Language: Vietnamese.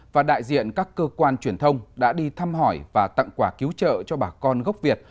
và đại diện các cơ quan truyền thông đã đi thăm hỏi và tặng quà cứu trợ cho bà con gốc việt